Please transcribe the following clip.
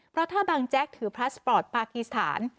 เพราะถ้าบางแจ๊กถือพลาสปอร์ตปากีสถาน